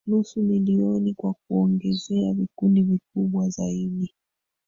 nusu milioni Kwa kuongezea vikundi vikubwa zaidi